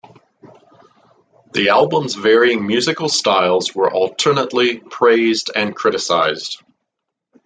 The album's varying musical styles were alternately praised and criticised.